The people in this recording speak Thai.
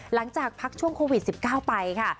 หลังจากพักช่วงโควิด๑๙ไปค่ะ